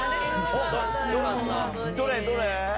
どれどれ？